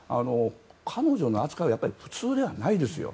彼女の扱いは普通じゃないですよ。